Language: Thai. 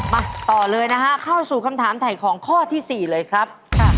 มาต่อเลยนะฮะเข้าสู่คำถามถ่ายของข้อที่๔เลยครับ